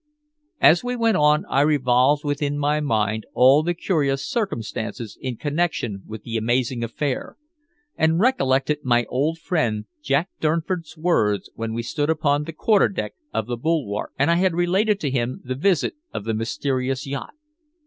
As we went on I revolved within my mind all the curious circumstances in connection with the amazing affair, and recollected my old friend Jack Durnford's words when we stood upon the quarter deck of the Bulwark and I had related to him the visit of the mysterious yacht.